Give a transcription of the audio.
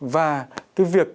và cái việc